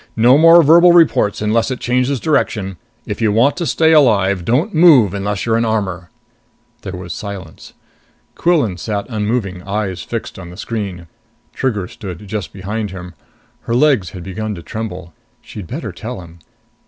No more verbal reports unless it changes direction. If you want to stay alive, don't move unless you're in armor." There was silence. Quillan sat unmoving, eyes fixed on the screen. Trigger stood just behind him. Her legs had begun to tremble. She'd better tell him.